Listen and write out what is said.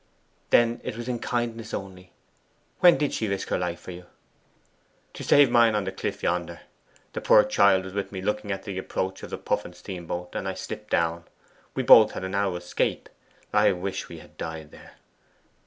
'Then it was in kindness only. When did she risk her life for you?' 'To save mine on the cliff yonder. The poor child was with me looking at the approach of the Puffin steamboat, and I slipped down. We both had a narrow escape. I wish we had died there!